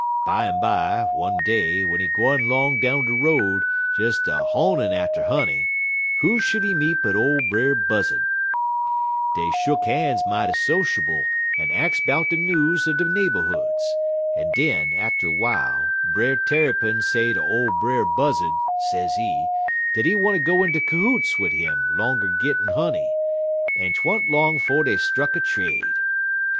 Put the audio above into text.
Bimeby, one day, w'en he gwine 'long down de road des a honin' atter honey, who should he meet but ole Brer Buzzud. "Dey shuck han's mighty sociable en ax 'bout de news er de neighborhoods, en den, atter w'ile, Brer Tarrypin say ter ole Brer Buzzud, sezee, dat he wanter go inter cahoots wid 'im 'longer gittin' honey, en 't wa'n't long 'fo' dey struck a trade.